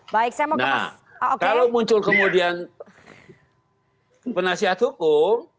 nah kalau muncul kemudian penasehat hukum